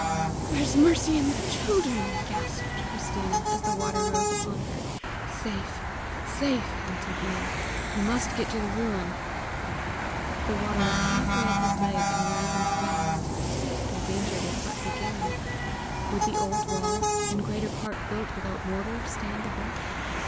"Where's Mercy and the children?" gasped Christina, as the water rose upon her. "Safe, safe!" answered Ian. "We must get to the ruin!" The water was halfway up his leg, and rising fast. Their danger was but beginning. Would the old walls, in greater part built without mortar, stand the rush?